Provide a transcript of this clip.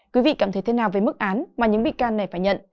quý vị cảm thấy thế nào về mức án mà những bị can này phải nhận